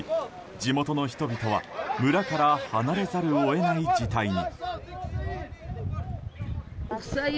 地元の人々は村から離れざるを得ない事態に。